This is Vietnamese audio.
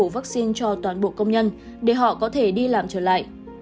đưa ra vắc xin cho toàn bộ công nhân để họ có thể đi làm trở lại